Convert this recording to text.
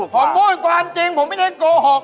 ผมพูดความจริงผมไม่ได้โกหก